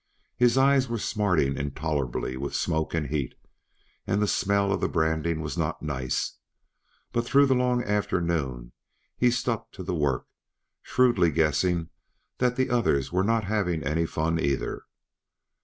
His eyes were smarting intolerably with smoke and heat, and the smell of the branding was not nice; but through the long afternoon he stuck to the work, shrewdly guessing that the others were not having any fun either.